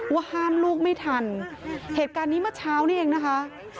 ว่าห้ามลูกไม่ทันเหตุการณ์นี้เมื่อเช้านี้เองนะคะ